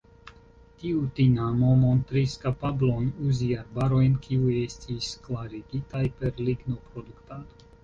Tiu tinamo montris kapablon uzi arbarojn kiuj estis klarigitaj per lignoproduktado.